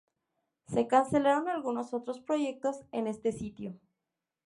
Se cancelaron algunos otros proyectos en este sitio.